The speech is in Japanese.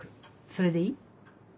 それでいい？